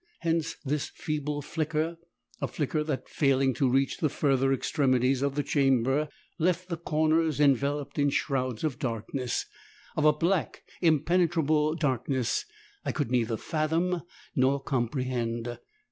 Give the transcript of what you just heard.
Hence this feeble flicker: a flicker that failing to reach the further extremities of the chamber, left the corners enveloped in shrouds of darkness of a black impenetrable darkness I could neither fathom nor comprehend.